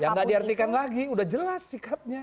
yang nggak diartikan lagi udah jelas sikapnya